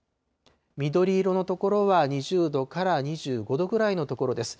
緑色の所は２０度から２５度ぐらいの所です。